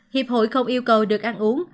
hiệp hội không yêu cầu được ăn uống